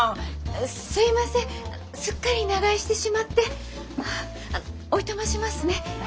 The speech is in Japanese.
すいませんすっかり長居してしまっておいとましますね。